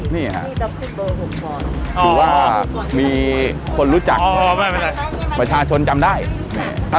นี่ค่ะคือว่ามีคนรู้จักประชาชนจำได้